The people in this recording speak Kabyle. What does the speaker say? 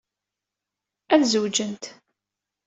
Ad zewjent.